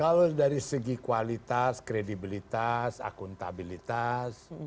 kalau dari segi kualitas kredibilitas akuntabilitas